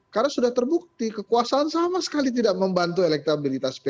karena sudah terbukti kekuasaan sama sekali tidak membantu elektabilitas p tiga